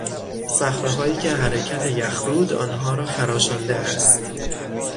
صخرههایی که حرکت یخرود آنها را خراشانده است